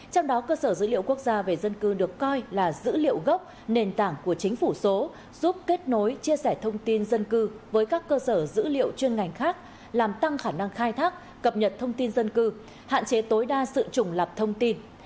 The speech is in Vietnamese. trong đó cơ sở dữ liệu quốc gia về dân cư được coi là dữ liệu gốc nền tảng của chính phủ số giúp kết nối chia sẻ thông tin dân cư với các cơ sở dữ liệu chuyên ngành khác làm tăng khả năng khai thác cập nhật thông tin dân cư hạn chế tối đa sự trùng lập thông tin